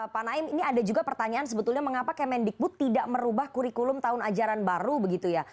pak naim ini ada juga pertanyaan sebetulnya mengapa kemendikbud tidak merubah kurikulum tahun ajaran baru begitu ya